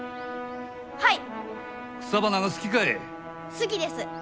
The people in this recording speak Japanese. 好きです。